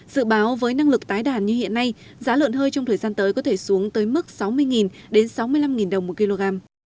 dự báo với năng lực tái đàn như hiện nay giá lợn hơi trong thời gian tới có thể xuống tới mức sáu mươi đến sáu mươi năm đồng một kg